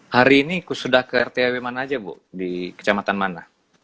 hari ini sudah ke rt rw mana aja bu di kecamatan mana